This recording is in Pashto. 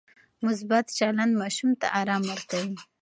مثبت چلند ماشوم ته ارام ورکوي.